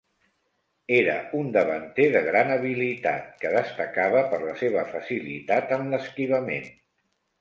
Era un davanter de gran habilitat, que destacava per la seva facilitat en l'esquivament.